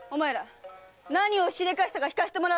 何をしたか聞かせてもらうよ。